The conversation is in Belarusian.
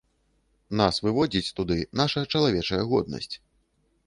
Нас выводзіць туды наша чалавечая годнасць.